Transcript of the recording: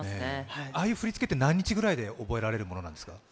ああいう振りつけって、何日くらいで覚えられるものなんですか？